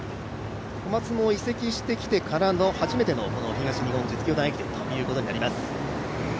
小松も移籍してきてからの初めての東日本実業団駅伝ということになります。